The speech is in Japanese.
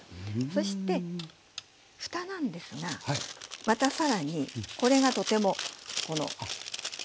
そして蓋なんですがまた更にこれがとてもこの。